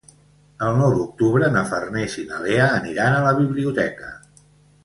El nou d'octubre na Farners i na Lea aniran a la biblioteca.